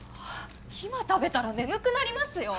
今食べたら眠くなりますよ！？